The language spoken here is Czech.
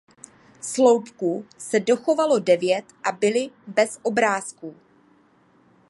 Sloupků se dochovalo devět a byly bez obrázků.